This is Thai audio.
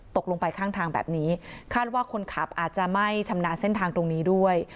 ตกลงไปข้างทางแบบนี้คาดว่าคนขับอาจจะไม่ชำนาญเส้นทางตรงนี้ด้วย